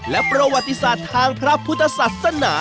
และประวัติศาสตร์ทางพระพุทธศาสนา